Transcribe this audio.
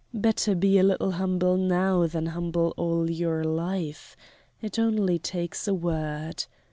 Better be a little humble now than humble all your life. It only takes a word.